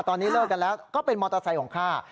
ตอนนี้เลิกกันแล้วก็เป็นมอเตอร์ไซค์ของข้า